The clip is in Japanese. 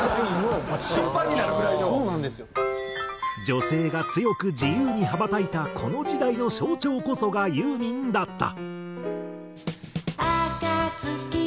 女性が強く自由に羽ばたいたこの時代の象徴こそがユーミンだった。